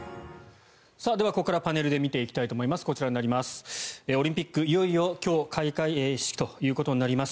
では、ここからパネルで見ていきたいと思います。